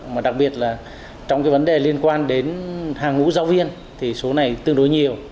mà đặc biệt là trong cái vấn đề liên quan đến hàng ngũ giáo viên thì số này tương đối nhiều